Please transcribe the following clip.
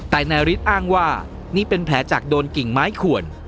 แต่นายฤทธิ์อ้างว่านี่เป็นแผลจากโดนกิ่งไม้ขวน